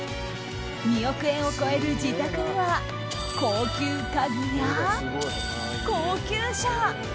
２億円を超える自宅には高級家具や高級車。